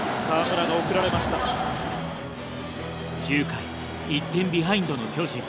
９回１点ビハインドの巨人。